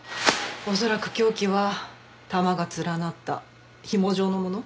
恐らく凶器は玉が連なった紐状のもの。